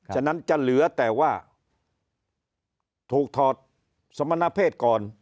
ฉะนั้นจะเหลือแต่ว่าถูกถอดสมณเพศก่อน